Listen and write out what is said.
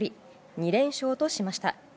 ２連勝としました。